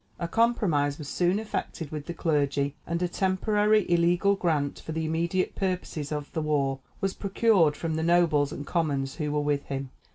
A compromise was soon effected with the clergy, and a temporary illegal grant for the immediate purposes of the war was procured from the nobles and commons who were with him.